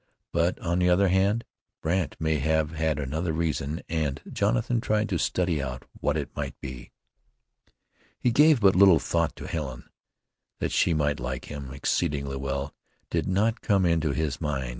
But, on the other hand, Brandt may have had another reason, and Jonathan tried to study out what it might be. He gave but little thought to Helen. That she might like him exceedingly well, did not come into his mind.